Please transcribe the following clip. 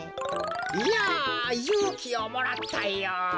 いやゆうきをもらったよ。